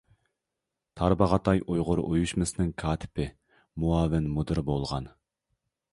تارباغاتاي ئۇيغۇر ئۇيۇشمىسىنىڭ كاتىپى، مۇئاۋىن مۇدىرى بولغان.